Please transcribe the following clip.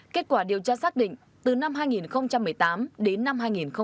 kết quả điều tra xác định từ năm hai nghìn một mươi tám đến năm hai nghìn hai mươi